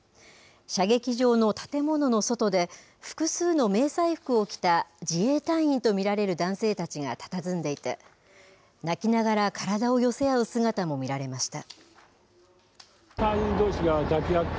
射撃場の建物の外で、複数の迷彩服を着た自衛隊員と見られる男性たちがたたずんでいて、泣きながら体を寄せ合う姿も見られました。